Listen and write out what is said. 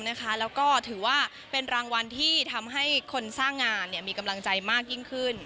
แล้วก็ถือว่าเป็นรางวัลที่ทำให้คนสร้างงานมีกำลังใจมากยิ่งขึ้น